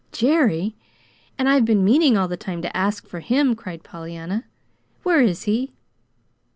"Jerry! And I've been meaning all the time to ask for him," cried Pollyanna. "Where is he?"